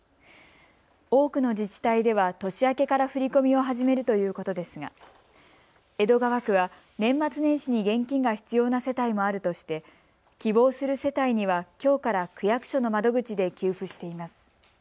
多くの自治体では年明けから振り込みを始めるということですが江戸川区は年末年始に現金が必要な世帯もあるとして希望する世帯には、きょうから区役所の窓口で給付しています。